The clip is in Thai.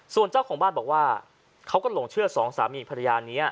ส่วนเจ้าของบ้านบอกว่าเขาก็หลงเชื่อสองสามีภรรยานี้